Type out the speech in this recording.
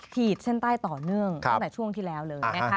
ขีดเส้นใต้ต่อเนื่องตั้งแต่ช่วงที่แล้วเลยนะคะ